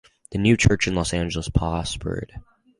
The new church in Los Angeles prospered.